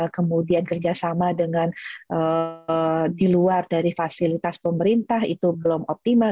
kemudian kerjasama dengan di luar dari fasilitas pemerintah itu belum optimal